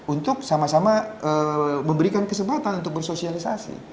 untuk sama sama memberikan kesempatan untuk bersosialisasi